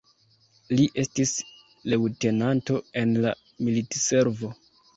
Li estis leŭtenanto en la militservo.